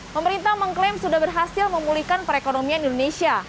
pemerintah mengklaim sudah berhasil memulihkan perekonomian indonesia